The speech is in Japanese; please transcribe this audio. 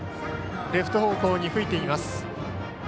レフト方向に吹いています。